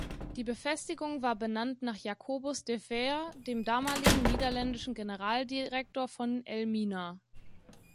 Die Befestigung war benannt nach Jakobus de Veer, dem damaligen niederländischen Generaldirektor von Elmina.